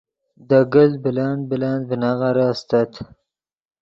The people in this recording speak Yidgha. دے گلت بلند بلند ڤینغیرے استت